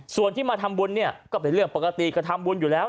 ส่วนที่มาทำบุญเนี่ยก็เป็นเรื่องปกติก็ทำบุญอยู่แล้ว